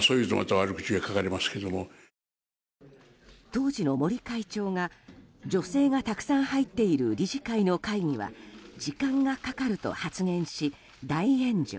当時の森会長が女性がたくさん入っている理事会の会議は時間がかかると発言し、大炎上。